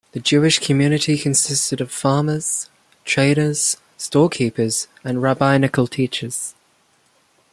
The Jewish community consisted of farmers, traders, storekeepers, and rabbinical teachers.